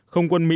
không quân mỹ